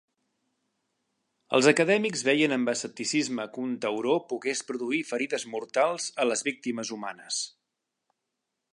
Els acadèmics veien amb escepticisme que un tauró pogués produir ferides mortals a les víctimes humanes.